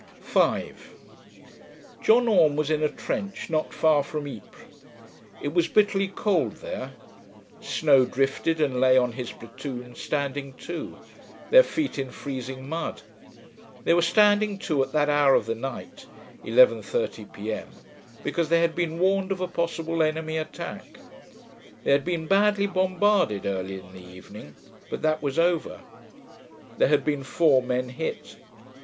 5 John Orme was in a trench, not far from Ypres. It was bitterly cold there; snow drifted and lay on his platoon standing to, their feet in freezing mud. They were standing to at that hour of the night (11.30 P.M.) because they had been warned of a possible enemy attack. They had been badly bombarded earlier in the evening, but that was over. There had been four men hit.